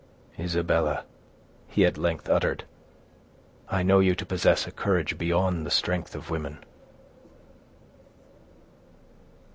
"Isabella," he at length uttered, "I know you to possess a courage beyond the strength of women."